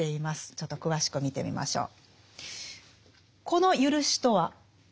ちょっと詳しく見てみましょう。